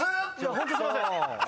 ホントすいません。